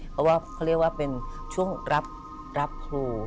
เพราะว่าเขาเรียกว่าเป็นช่วงรับครู